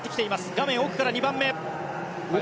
画面奥から２番目。